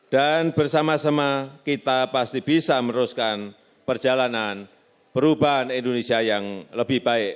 dan bersama sama kita pasti bisa meneruskan perjalanan perubahan indonesia yang lebih baik